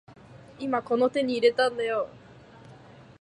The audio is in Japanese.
今この手に入れたんだよ